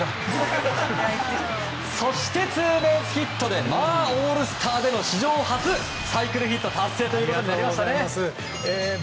そして、ツーベースヒットでオールスターでの史上初サイクルヒット達成です。